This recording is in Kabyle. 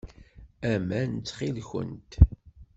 Aman, ttxil-kent.